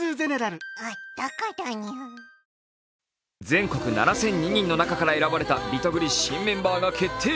全国７００２人の中から選ばれたリトグリ新メンバーが決定。